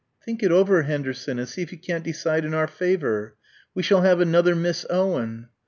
"Think it over, Henderson, and see if you can't decide in our favour." "We shall have another Miss Owen."